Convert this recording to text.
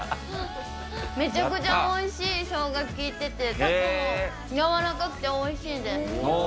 めちゃくちゃおいしい、しょうがが効いてて、たこも柔らかくておいしいです。